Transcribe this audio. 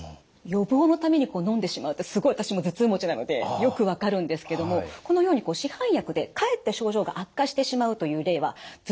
予防のためにのんでしまうってすごい私も頭痛持ちなのでよく分かるんですけどもこのように市販薬でかえって症状が悪化してしまうという例は頭痛以外にもあるんです。